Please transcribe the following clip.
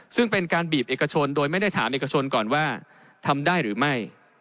ซึ่งเป็นการบีบเอกชนโดยไม่ได้ถามเอกชนก่อนว่าทำได้หรือไม่